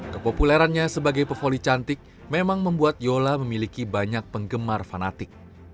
kepopulerannya sebagai pevoli cantik memang membuat yola memiliki banyak penggemar fanatik